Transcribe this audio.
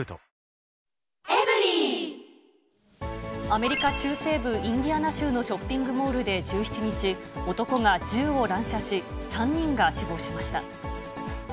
アメリカ中西部、インディアナ州のショッピングモールで１７日、男が銃を乱射し、３人が死亡しました。